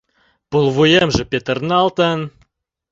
Пулвуемже петырналтын